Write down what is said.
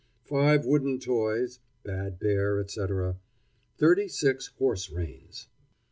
five wooden toys (bad bear, etc.), thirty six horse reins.